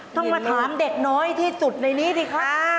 ต้องมาถามเด็กน้อยที่สุดในนี้สิครับ